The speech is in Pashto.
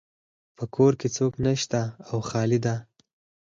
په کور کې څوک نشته او خالی ده